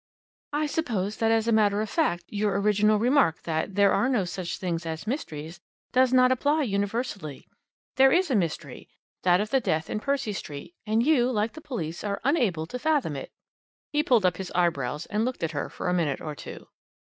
"I suppose that as a matter of fact your original remark that 'there are no such things as mysteries' does not apply universally. There is a mystery that of the death in Percy Street, and you, like the police, are unable to fathom it." He pulled up his eyebrows and looked at her for a minute or two.